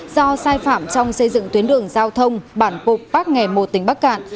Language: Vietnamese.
do sai phạm trong xây dựng tuyến đường giao thông bản cục bắc nghề một tỉnh bắc cản